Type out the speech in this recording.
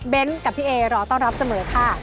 กับพี่เอรอต้อนรับเสมอค่ะ